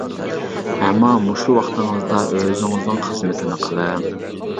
ئەمما مۇشۇ ۋاقتىڭىزدا ئۆزىڭىزنىڭ خىزمىتىنى قىلىڭ.